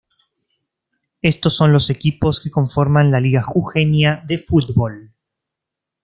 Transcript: Éstos son los equipos que conforman la Liga Jujeña de fútbol.